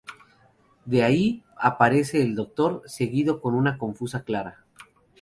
De ahí aparece el Doctor, seguido por una confusa Clara.